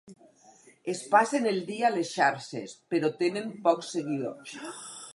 Es passen el dia a les xarxes, però tenen pocs seguidors.